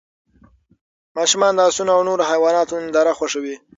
ماشومان د اسونو او نورو حیواناتو ننداره خوښوي.